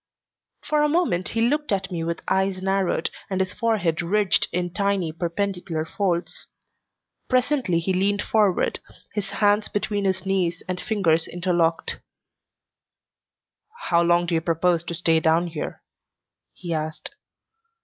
For a moment he looked at me with eyes narrowed and his forehead ridged in tiny, perpendicular folds. Presently he leaned forward, his hands between his knees and fingers interlocked. "How long do you propose to stay down here?" he asked.